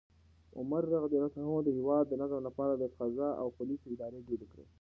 عمر رض د هیواد د نظم لپاره د قضا او پولیسو ادارې جوړې کړې.